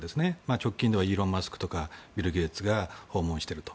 直近ではイーロン・マスクやビル・ゲイツが訪問していると。